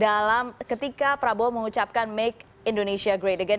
dalam ketika prabowo mengucapkan make indonesia great again